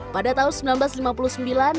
pada tahun seribu sembilan ratus lima puluh sembilan